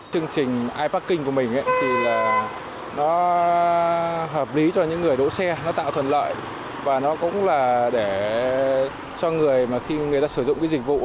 chương trình iparking của mình thì là nó hợp lý cho những người đỗ xe nó tạo thuận lợi và nó cũng là để cho người mà khi người ta sử dụng cái dịch vụ